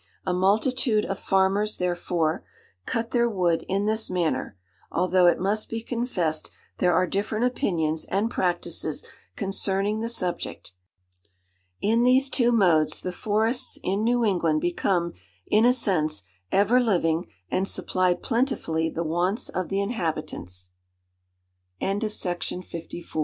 A multitude of farmers, therefore, cut their wood in this manner; although, it must be confessed, there are different opinions and practices concerning the subject. In these two modes the forests in New England become, in a sense, ever living, and supply plentifully the wants of the inhabitants." CONNECTICU